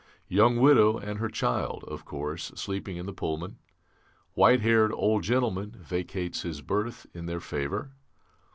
Young widow and her child, of course, sleeping in the Pullman; white haired old gentleman vacates his berth in their favour.